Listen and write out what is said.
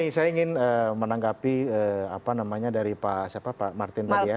saya ingin menanggapi apa namanya dari pak martin tadi ya